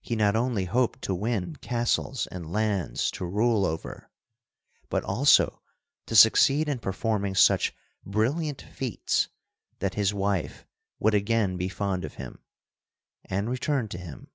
He not only hoped to win castles and lands to rule over, but also to succeed in performing such brilliant feats that his wife would again be fond of him, and return to him.